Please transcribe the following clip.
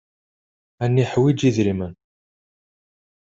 Ad neḥwiǧ idrimen.